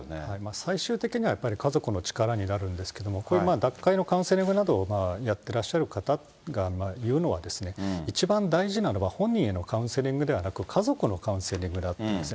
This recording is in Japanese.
最終的にはやっぱり家族の力になるんですけども、こういう脱会のカウンセリングなどをやってらっしゃる方が言うのは、一番大事なのは本人へのカウンセリングではなく、家族のカウンセリングだって言うんですね。